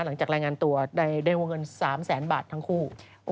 หลังจากแรงงานตัวได้โง่เงิน๓๐๐๐๐๐บาททั้งคู่